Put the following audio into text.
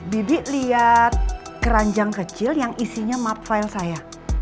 bibi lihat keranjang kecil yang isinya mup file saya